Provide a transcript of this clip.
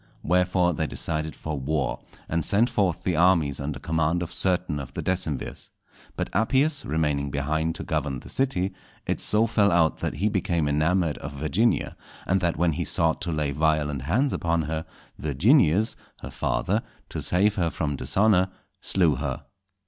Wherefore they decided for war, and sent forth the armies under command of certain of the decemvirs. But Appius remaining behind to govern the city, it so fell out that he became enamoured of Virginia, and that when he sought to lay violent hands upon her, Virginius, her father, to save her from dishonour, slew her.